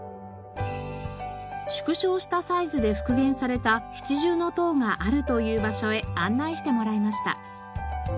縮小したサイズで復元された七重塔があるという場所へ案内してもらいました。